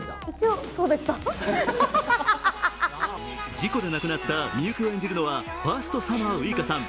事故で亡くなった美雪を演じるのはファーストサマーウイカさん。